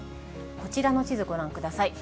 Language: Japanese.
こちらの地図、ご覧ください。